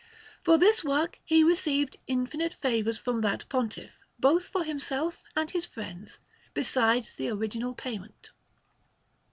For this work he received infinite favours from that Pontiff, both for himself and his friends, besides the original payment.